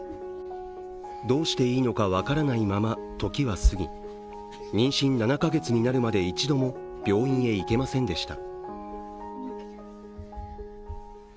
どうしていいのか分からないまま時は過ぎ、妊娠７か月になるまで一度も病院へ行けませんでした。